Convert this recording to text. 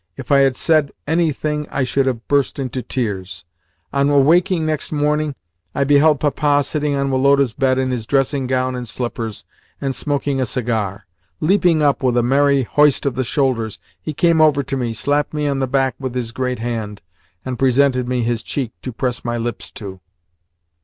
If I had said anything I should have burst into tears. On awaking next morning, I beheld Papa sitting on Woloda's bed in his dressing gown and slippers and smoking a cigar. Leaping up with a merry hoist of the shoulders, he came over to me, slapped me on the back with his great hand, and presented me his cheek to press my lips to.